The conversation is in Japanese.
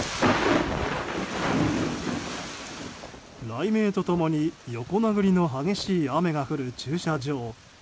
雷鳴と共に横殴りの激しい雨が降る駐車場。